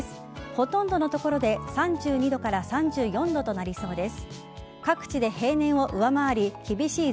ほとんどの所で３２度から３４度となりそうです。